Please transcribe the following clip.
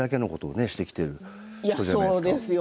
そうなんですよ